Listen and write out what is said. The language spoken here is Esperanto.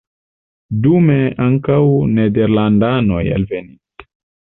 Dume ankaŭ nederlandanoj alvenis.